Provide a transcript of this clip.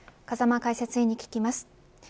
風間解説委員に聞きます。